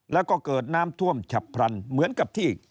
แล้วก็เกิดน้ำท่วมฉับพลันเหมือนกับที่